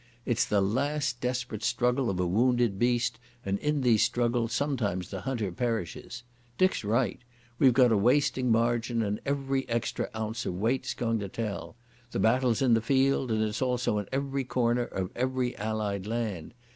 "It is the last desperate struggle of a wounded beast, and in these struggles sometimes the hunter perishes. Dick's right. We've got a wasting margin and every extra ounce of weight's going to tell. The battle's in the field, and it's also in every corner of every Allied land.